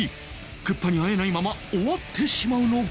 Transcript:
クッパに会えないまま終わってしまうのか？